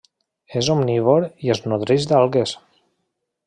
És omnívor i es nodreix d'algues.